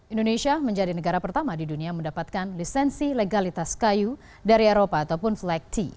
indonesia menjadi negara pertama di dunia mendapatkan lisensi legalitas kayu dari eropa ataupun flegt